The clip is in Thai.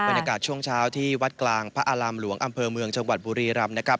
บรรยากาศช่วงเช้าที่วัดกลางพระอารามหลวงอำเภอเมืองจังหวัดบุรีรำนะครับ